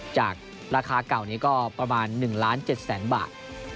จากราคาเก่านี้ก็ประมาณหนึ่งล้านเจ็ดแสนบาท